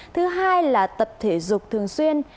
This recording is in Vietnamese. thứ hai là tập thể dục thường xuyên